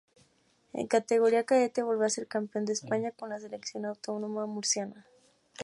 En categoría cadete volvió a ser campeón de España con la selección autonómica murciana.